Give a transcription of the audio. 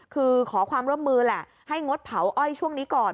คือขอความร่วมมือแหละให้งดเผาอ้อยช่วงนี้ก่อน